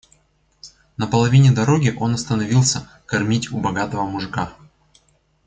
На половине дороги он остановился кормить у богатого мужика.